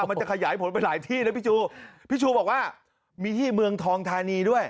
มันจะขยายผลไปหลายที่นะพี่ชูพี่ชูบอกว่ามีที่เมืองทองทานีด้วย